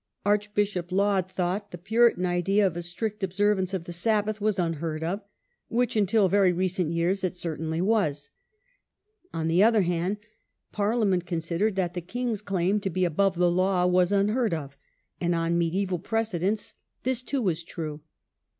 Arch bishop Laud thought the Puritan idea of a strict obser vance of the Sabbath was unheard of, which, until very recent years, it certainly was. On the other hand, Par liament considered that the king's claim to be above the law was unheard of, and on medieval precedents this too was true.